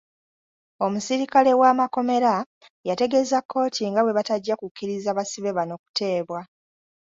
Omusirikale w’amakomera yategeeza kkooti nga bwe batajja kukkiriza basibe bano kuteebwa.